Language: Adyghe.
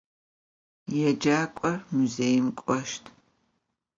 Yêcak'or muzêim k'oşt.